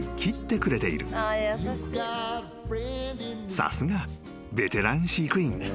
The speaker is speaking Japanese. ［さすがベテラン飼育員］